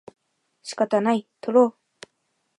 仕方ない、とろう